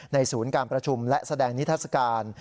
ศูนย์การประชุมและแสดงนิทัศกาล